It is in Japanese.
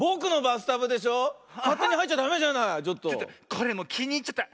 これもうきにいっちゃった。